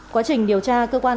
quá trình điều tra cơ quan